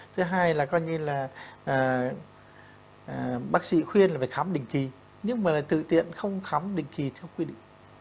thứ hai là coi như là bác sĩ khuyên là phải khám đỉnh kỳ nhưng mà tự tiện không khám đỉnh kỳ theo quy định